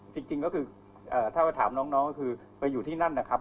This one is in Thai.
จริงก็คือถ้าไปถามน้องก็คือไปอยู่ที่นั่นนะครับ